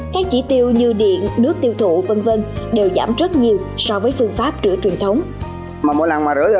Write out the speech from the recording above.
các chỉ tiêu như điện nước tiêu thụ v v đều giảm rất nhiều so với phương pháp rửa truyền thống